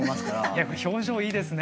やっぱ表情いいですね。